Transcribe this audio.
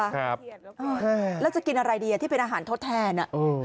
ค่ะแล้วจะกินอะไรดีที่เป็นอาหารทดแทน